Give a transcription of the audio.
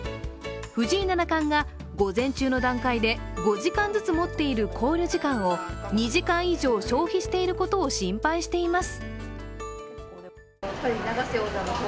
藤井七冠が午前中の段階で５時間ずつ持っている考慮時間を２時間以上消費していることを心配しています。